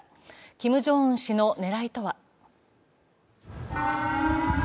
キム・ジョンウン氏の狙いとは。